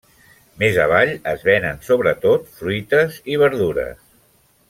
Més avall es venen sobretot fruites i verdures.